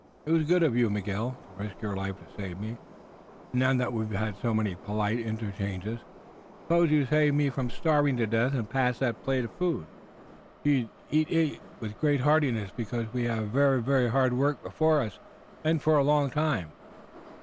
It was good of you, Miguel, to risk your life to save me, and now that we've had so many polite interchanges, suppose you save me from starving to death and pass that plate of food." "With ver' good will, Peter. Eat, eat with the great heartiness, because we have ver', ver' hard work before us and for a long time.